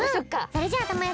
それじゃあたまよ